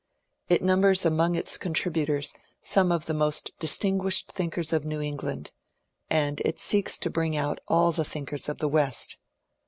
It numbers amone its contributors some of the most distinguished thinkers of New England, and it seeks to bring out all the thinkers of the West.